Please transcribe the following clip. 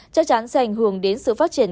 chắc chắn sẽ ảnh hưởng đến sự phát triển